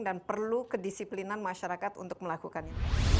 dan perlu kedisiplinan masyarakat untuk melakukannya